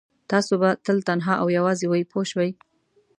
تاسو به تل تنها او یوازې وئ پوه شوې!.